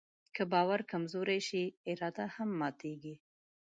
که باور کمزوری شي، اراده هم ماتيږي.